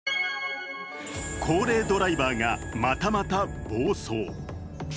高齢ドライバーがまたまた暴走。